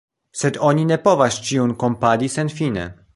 Sed oni ne povas ĉiun trompadi senfine.